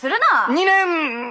２年！